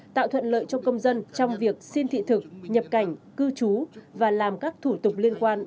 tạo thuận lợi cho công dân trong việc xin thị thực nhập cảnh cư trú và làm các thủ tục liên quan